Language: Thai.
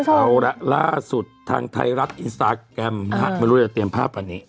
เอาละล่าสุดทางไทยรัฐอินสตาแกรมนะฮะไม่รู้จะเตรียมภาพอันนี้